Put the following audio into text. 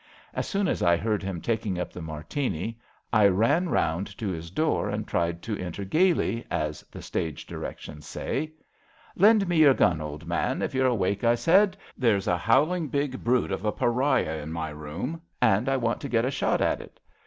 As soon as I heard him tak ing up the Martini, I ran round to his door and tried to enter gaily, as the stage directions say. 126 ABAFT THE FUNNEL ^ Lend me your gun, old man, if you're awake,' I said, * There's a howling big brute of a pariah in my room, and I want to get a shot at it.'